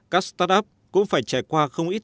các start up cũng phải trải qua không ít thực tế